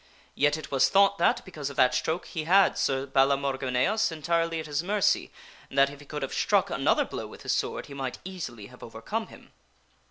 Yet it was thought that, because of ethh that stroke, he had Sir Balamorgineas entirely at his mercy, and that if he could have struck another blow with his sword he might easily have over come him.